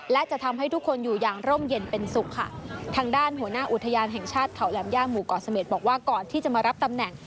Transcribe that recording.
และจะทำให้ทุกคนอยู่อย่างร่มเย็นเป็นสุขค่ะทางด้านหัวหน้าอุทยานแห่งชาติเขาแหลมย่าหมู่เกาะเสม็ดบอกว่าก่อนที่จะมารับตำแหน่ง